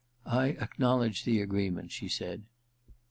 ' I acknow ledge the agreement,' she said.